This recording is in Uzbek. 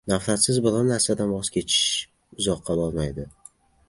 Nafratsiz biron narsadan voz kechish uzoqqa bormaydi.